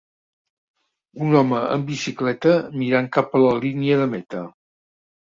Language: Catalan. Un home en bicicleta mirant cap a la línia de meta.